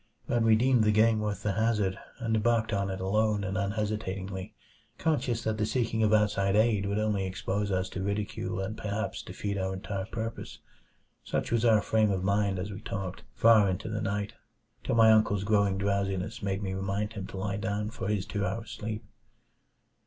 But we deemed the game worth the hazard, and embarked on it alone and unhesitatingly; conscious that the seeking of outside aid would only expose us to ridicule and perhaps defeat our entire purpose. Such was our frame of mind as we talked far into the night, till my uncle's growing drowsiness made me remind him to lie down for his two hour sleep.